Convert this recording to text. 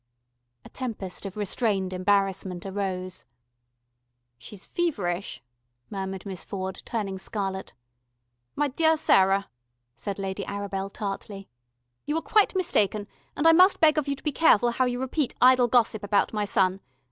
A tempest of restrained embarrassment arose. "She's feverish," murmured Miss Ford, turning scarlet. "My dear Sarah," said Lady Arabel tartly. "You are quite mistaken, and I must beg of you to be careful how you repeat idle gossip about my son.